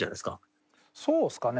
そうですかね？